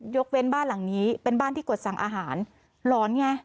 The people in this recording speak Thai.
ยกเว้นบ้านหลังนี้เป็นบ้านที่กดสั่งอาหารหลอนไง